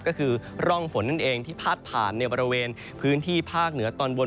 ก็คือร่องฝนนั่นเองที่พาดผ่านในบริเวณพื้นที่ภาคเหนือตอนบน